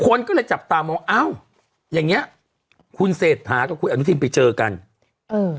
คนก็เลยจับตามองอ้าวอย่างเงี้ยคุณเศรษฐากับคุณอนุทินไปเจอกันเออ